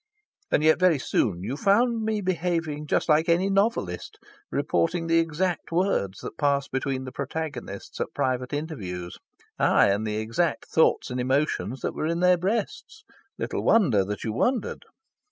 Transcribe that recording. And yet very soon you found me behaving just like any novelist reporting the exact words that passed between the protagonists at private interviews aye, and the exact thoughts and emotions that were in their breasts. Little wonder that you wondered!